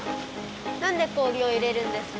なんでこおりをいれるんですか？